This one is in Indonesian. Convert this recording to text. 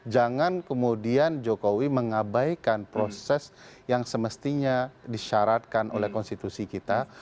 jangan kemudian jokowi mengabaikan proses yang semestinya disyaratkan oleh konstitusi kita